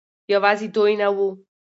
يوازې دوي نه وو